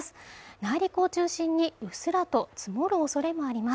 内陸を中心にうっすらと積もるおそれもあります